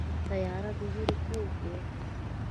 تیاره د وېرې کور دی.